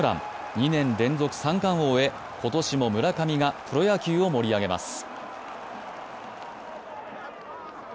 ２年連続三冠王へ今年も村上がプロ野球を盛り上げます。